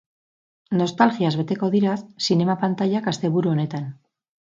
Nostalgiaz beteko dira zinema pantailak asteburu honetan.